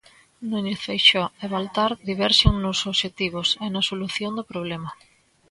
Núñez Feixóo e Baltar diverxen nos obxectivos e na solución do problema.